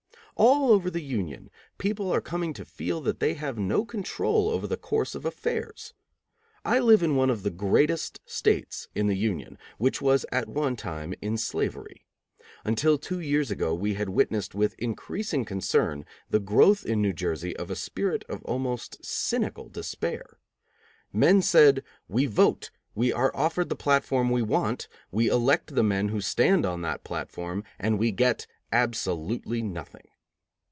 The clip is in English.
All over the Union people are coming to feel that they have no control over the course of affairs. I live in one of the greatest States in the union, which was at one time in slavery. Until two years ago we had witnessed with increasing concern the growth in New Jersey of a spirit of almost cynical despair. Men said: "We vote; we are offered the platform we want; we elect the men who stand on that platform, and we get absolutely nothing."